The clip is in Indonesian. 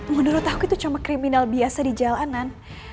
menurut aku itu cuma kriminal biasa di jalanan